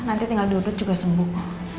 nanti tinggal duduk juga sembuh